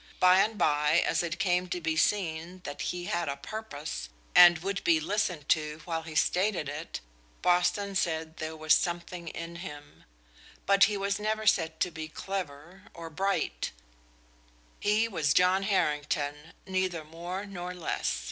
By and by, as it came to be seen that he had a purpose and would be listened to while he stated it, Boston said there was something in him; but he was never said to be clever or "bright" he was John Harrington, neither more nor less.